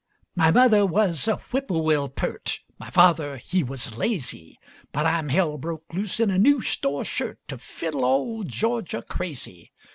My mother was a whippoorwill pert, My father, he was lazy, But I'm hell broke loose in a new store shirt To fiddle all Georgia crazy.